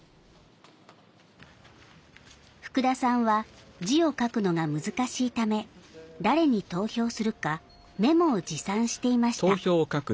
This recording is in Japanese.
福田さんは字を書くのが難しいため誰に投票するかメモを持参していました。